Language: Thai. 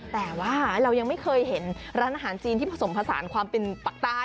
แต่ว่าเรายังไม่เคยเห็นร้านอาหารจีนที่ผสมผสานความเป็นปักใต้